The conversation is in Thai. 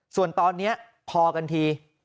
ส่วนตอนนี้พอกันที